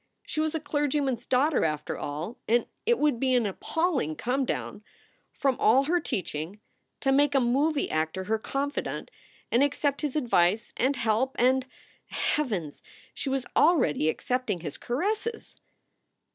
She was a clergyman s daughter, after all, and it would be an appalling come down from all her teaching, to make a movie actor her confidant and accept his advice and help and Heavens! she was already accepting his caresses!